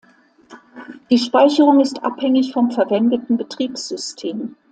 Die Speicherung ist abhängig vom verwendeten Betriebssystem.